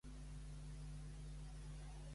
La borsa d'Espanya es recupera.